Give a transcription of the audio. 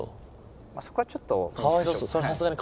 そこはちょっと。